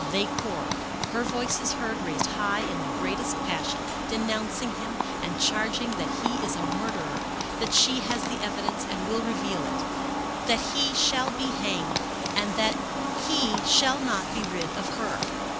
They quarrel. Her voice is heard, raised high in the greatest passion, denouncing him, and charging that he is a mur derer, that she has the evidence and will reveal it, that he shall be hanged, and that he shall not be rid of her.